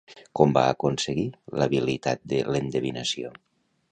Com va aconseguir l'habilitat de l'endevinació?